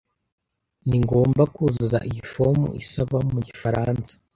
Ningomba kuzuza iyi fomu isaba mu gifaransa?